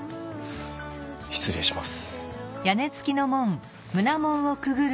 失礼します。